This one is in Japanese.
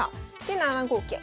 で７五桂。